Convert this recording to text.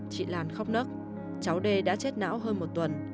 chị lan khóc nấc cháu đê đã chết não hơn một tuần